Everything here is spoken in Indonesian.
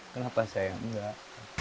kenapa saya enggak